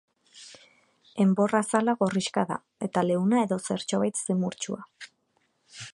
Enbor azala gorrixka da eta leuna edo zertxobait zimurtsua.